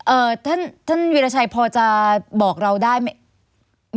ท่านท่านวิราชัยพอจะบอกเราได้ไหม